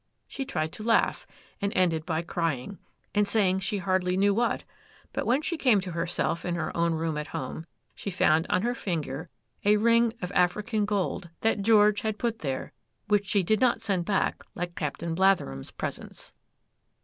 She tried to laugh, and ended by crying, and saying she hardly knew what; but when she came to herself in her own room at home, she found on her finger a ring of African gold that George had put there, which she did not send back like Captain Blatherem's presents.